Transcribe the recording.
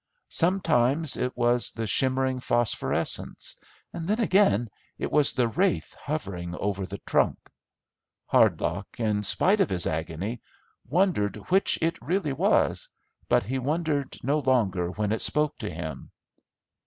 Sometimes it was the shimmering phosphorescence, then again it was the wraith hovering over the trunk. Hardlock, in spite of his agony, wondered which it really was; but he wondered no longer when it spoke to him.